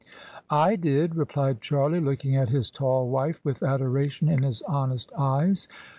" I did," replied Charlie, looking at his tall wife with adoration in his honest eyes.